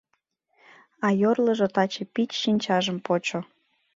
А йорлыжо таче Пич шинчажым почо.